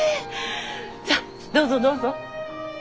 さあどうぞどうぞ。